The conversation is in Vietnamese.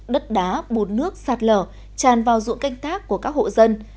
đất đá bột nước sạt lở tràn vào dụng canh tác của các hộ dân